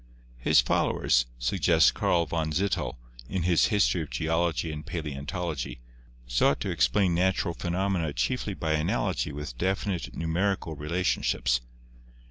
"His fol lowers," suggests Karl von Zittel in his 'History of Geology and Paleontology,' sought to explain natural phenomena chiefly by analogy with definite numerical re lationships.